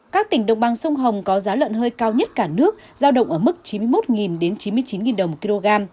các tỉnh đồng bằng sông hồng có giá lợn hơi cao nhất cả nước giao động ở mức chín mươi một chín mươi chín đồng một kg